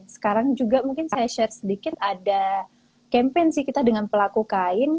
sekarang juga mungkin saya share sedikit ada campaign sih kita dengan pelaku kain